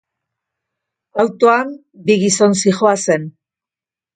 Autoan bi gizon zihoazen.